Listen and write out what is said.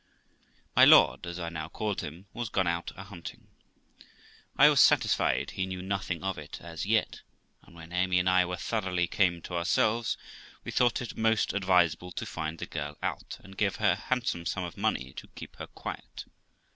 My lord, as I now called him, was gone out a hunting. I was satisfied he knew nothing of it, as yet, and when Amy and I were thoroughly come to ourselves, we thought it most advisable to find the girl out, and give her a handsome sum of money to keep her quiet.